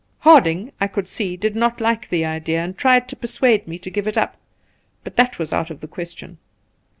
Harding, I could see, did not like the idea, and tried to persuade me to give it up ; but that was out of the question.